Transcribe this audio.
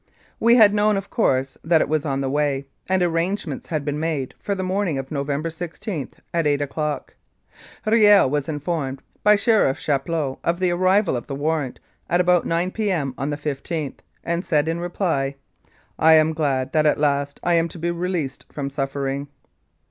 We had known, of course, that it was on the way, and arrangements had been made for the morning of November 16, at eight o'clock. Riel was informed by Sheriff Chapleau of the arrival of the warrant at about 9 P.M. on the i5th, and said in reply, " I am glad that at last I am to be released from suffer ing."